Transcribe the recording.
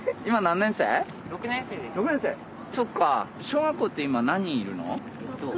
小学校って今何人いるの？